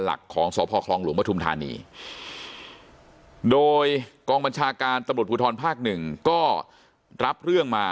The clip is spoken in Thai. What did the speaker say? ของสพคลองหลวงปฐุมธานีโดยกองบัญชาการตำรวจภูทรภาคหนึ่งก็รับเรื่องมา